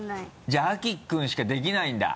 じゃあ秋君しかできないんだ？